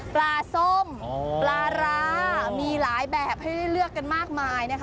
ปลาส้มปลาร้ามีหลายแบบให้ได้เลือกกันมากมายนะคะ